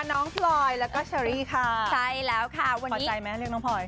น้องพลอยแล้วก็เชอรี่ค่ะใช่แล้วค่ะวันนี้พอใจไหมเรียกน้องพลอย